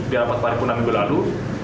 di rapat paripurna minggu lalu